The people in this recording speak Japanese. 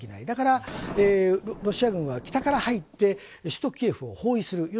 だからロシア軍は北側から入って首都キエフを包囲する。